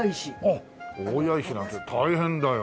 あっ大谷石なんて大変だよ。